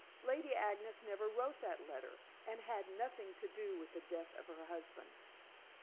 Lady Agnes never wrote that letter, and had nothing to do with the death of her husband."